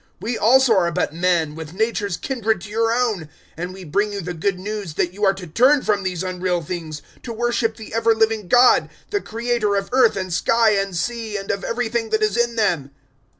014:015 We also are but men, with natures kindred to your own; and we bring you the Good News that you are to turn from these unreal things, to worship the ever living God, the Creator of earth and sky and sea and of everything that is in them.